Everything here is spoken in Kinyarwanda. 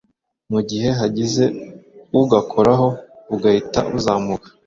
mu gihe hagize ugakoraho bugahita buzamuka